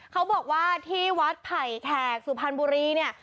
เขาบอกว่าที่วัดไผ่แขกสุพรรณบุรีเนี่ย